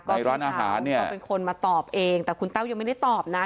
ในร้านอาหารเนี่ยเป็นคนมาตอบเองแต่คุณแต้วยังไม่ได้ตอบนะ